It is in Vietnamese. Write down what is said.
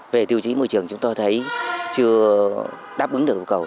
về tiêu chí môi trường chúng tôi thấy chưa đáp ứng được yêu cầu